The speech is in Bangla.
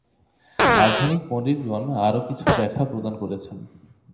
আধুনিক পণ্ডিতগণ আরও কিছু ব্যাখ্যা প্রদান করেছেন।